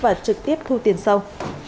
và trực tiếp thu tiền sau